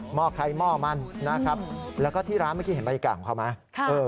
ห้อใครหม้อมันนะครับแล้วก็ที่ร้านเมื่อกี้เห็นบรรยากาศของเขาไหม